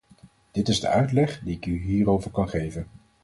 Dit is de uitleg die ik u hierover kan geven.